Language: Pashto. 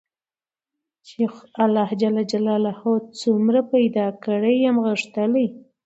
چي خدای څومره پیدا کړی یم غښتلی